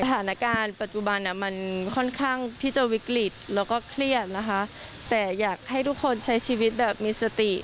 สถานการณ์ปัจจุบันมันค่อนข้างที่จะวิกฤตแล้วก็เครียดนะคะแต่อยากให้ทุกคนใช้ชีวิตแบบมีสติ